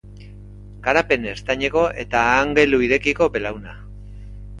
Garapen ertaineko eta angelu irekiko belauna.